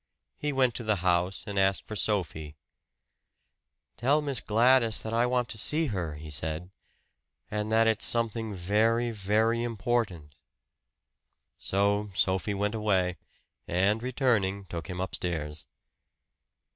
He went to the house and asked for Sophie. "Tell Miss Gladys that I want to see her," he said; "and that it's something very, very important." So Sophie went away, and returning, took him upstairs.